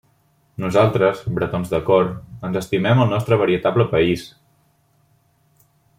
Nosaltres, bretons de cor, ens estimem el nostre veritable país!